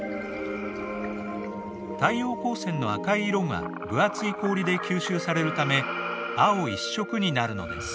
太陽光線の赤い色が分厚い氷で吸収されるため青一色になるのです。